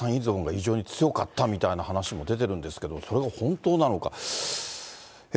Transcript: お母さん依存が非常に強かったみたいな話も出てるんですけれども、それは本当なのか。